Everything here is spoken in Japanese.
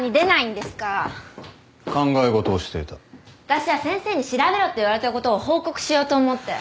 私は先生に調べろって言われたことを報告しようと思って。